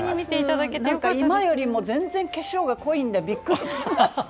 今よりも全然化粧が濃いのでびっくりしました。